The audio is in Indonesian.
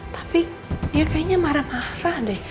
tapi dia kayaknya marah marah deh